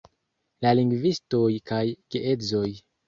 La lingvistoj kaj geedzoj